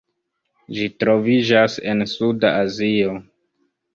Ĝi troviĝas en Suda Azio.